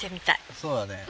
そうだね。